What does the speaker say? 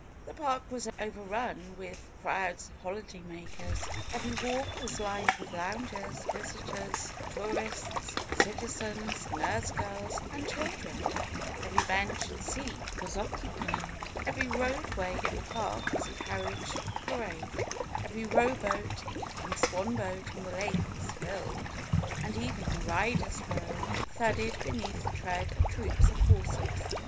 The park was overrun with crowds of holiday makers. Every walk was lined with loungers, visitors, tourists, citizens, nurse girls and chil dren; every bench and seat was occupied; every road way in the park was a carriage parade; every rowboat and swanboat on the lake was filled; and even the 258 FAITH riders' row thudded beneath the tread of troops of horses.